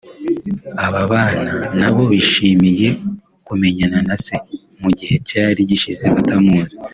Aba bana nabo bishimiye kumenyana na Se mu gihe cyari gishize batamuzi